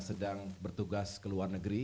sedang bertugas ke luar negeri